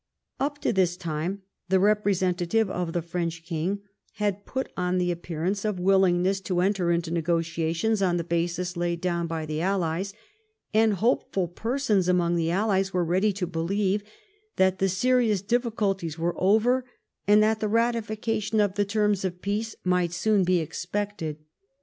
Up to this time the representative of the French King had put on the appearance of willingness to enter into negotiations on the basis laid down by the allies, and hopeful persons among the allies were ready to believe that the serious difficulties were over, and that the ratification of the terms of peace might soon be expected.